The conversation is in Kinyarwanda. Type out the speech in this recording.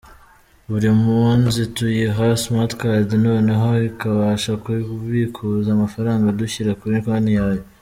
Buri mpunzi tuyiha smart card noneho ikabasha kubikuza amafaranga dushyira kuri konti yayo”.